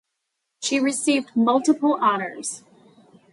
She received multiple honors.